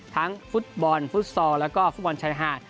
ทั้งฟุตบอลฟุตสอร์และฟุตบอลชายหาด